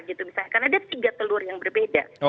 karena ada tiga telur yang berbeda